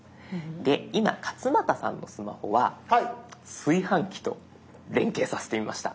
で今勝俣さんのスマホは炊飯器と連携させてみました。